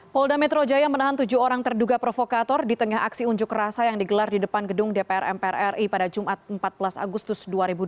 polda metro jaya menahan tujuh orang terduga provokator di tengah aksi unjuk rasa yang digelar di depan gedung dpr mpr ri pada jumat empat belas agustus dua ribu dua puluh